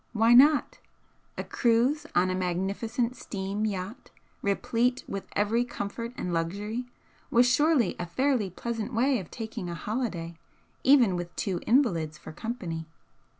Why not? A cruise on a magnificent steam yacht, replete with every comfort and luxury, was surely a fairly pleasant way of taking a holiday, even with two invalids for company.